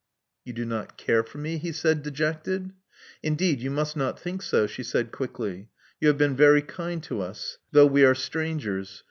..*' Yon do not care for me/' he said, dejected. Indeed, yon mnst not think so," she said quickly. Yon have been very kind to ns, though w«r are strangers.